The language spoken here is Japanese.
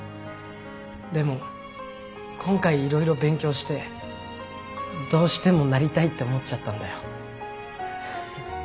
でも今回色々勉強してどうしてもなりたいって思っちゃったんだよ。